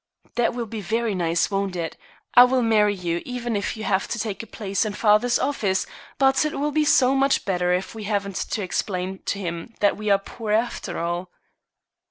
"That will be very nice, won't it? I will marry you even if you have to take a place in father's office; but it will be so much better if we haven't to explain to him that we are poor after all."